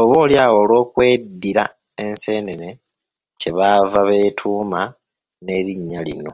Oboolyawo olw’okweddira enseenene kye baava beetuuma n’erinnya lino.